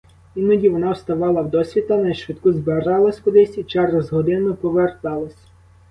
Іноді вона вставала вдосвіта, нашвидку збиралась кудись і через годину поверталась.